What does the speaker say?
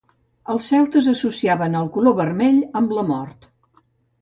Els celtes associaven el color vermell amb la mort.